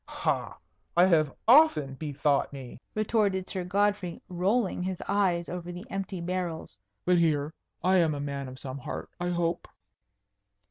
"Ha! I have often bethought me," retorted Sir Godfrey, rolling his eyes over the empty barrels. "But here! I am a man of some heart, I hope."